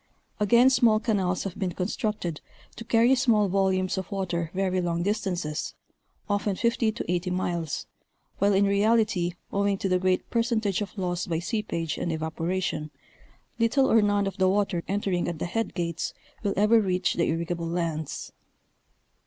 Again small canals have been constructed to carry small vol umes of water very long distances, often 50 to 80 miles, while in 226 National Geographic Magazine. reality owing to the great percentage of loss by seepage and evaporation, little or none of the water entering at the headgates will ever reach the irrigable lands.